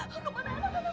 kok gak ada jawaban